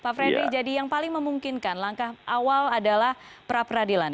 pak fredri jadi yang paling memungkinkan langkah awal adalah pra peradilan